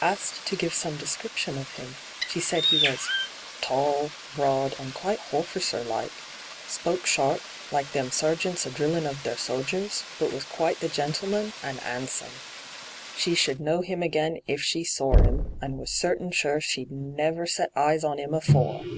Asked to give some description of him, she said he was ' tall, broad, and quite horficer like ; spoke sharp, like them sergeants a drillin' of their sodgers ; but was quite the gentleman, and 'andsome. She should know him again if she sor 'im, and was certain sure she'd never set eyes on 'im afore.'